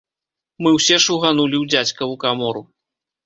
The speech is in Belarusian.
Мы ўсе шуганулі ў дзядзькаву камору.